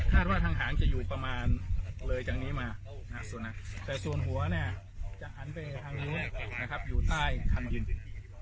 ว่าทางหางจะอยู่ประมาณเลยจากนี้มาแต่ส่วนหัวเนี่ยจะหันไปทางนี้นะครับอยู่ใต้ทางยืน